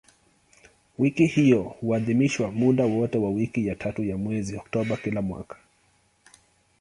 Wiki hiyo huadhimishwa muda wote wa wiki ya tatu ya mwezi Oktoba kila mwaka.